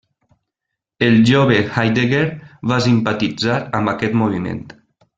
El jove Heidegger va simpatitzar amb aquest moviment.